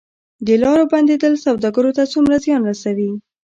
د لارو بندیدل سوداګرو ته څومره زیان رسوي؟